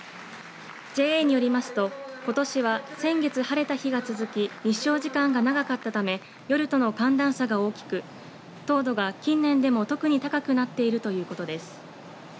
ＪＡによりますとことしは先月晴れた日が続き日照時間が長かったため夜との寒暖差が大きく糖度が近年でも特に高くなっているということです。